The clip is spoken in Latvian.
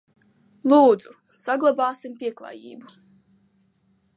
Lūdzu, saglabāsim pieklājību!